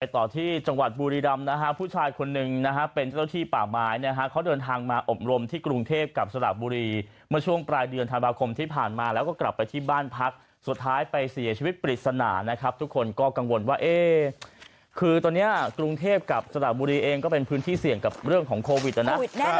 ต่อที่จังหวัดบุรีรำนะฮะผู้ชายคนหนึ่งนะฮะเป็นเจ้าที่ป่าไม้นะฮะเขาเดินทางมาอบรมที่กรุงเทพกับสระบุรีเมื่อช่วงปลายเดือนธันวาคมที่ผ่านมาแล้วก็กลับไปที่บ้านพักสุดท้ายไปเสียชีวิตปริศนานะครับทุกคนก็กังวลว่าเอ๊คือตอนนี้กรุงเทพกับสระบุรีเองก็เป็นพื้นที่เสี่ยงกับเรื่องของโควิดนะนะ